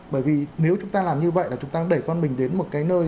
bởi vì nếu chúng ta làm như vậy là chúng ta đẩy con mình đến một cái nơi